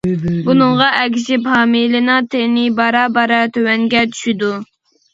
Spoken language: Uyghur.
بۇنىڭغا ئەگىشىپ ھامىلىنىڭ تېنى بارا-بارا تۆۋەنگە چۈشىدۇ.